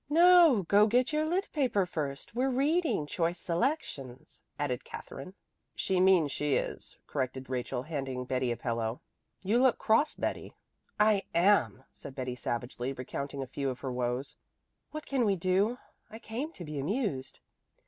"No, go get your lit. paper first. We're reading choice selections," added Katherine. "She means she is," corrected Rachel, handing Betty a pillow. "You look cross, Betty." "I am," said Betty savagely, recounting a few of her woes. "What can we do? I came to be amused."